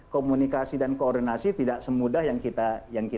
komunikasi dan koordinasi tidak semudah yang kita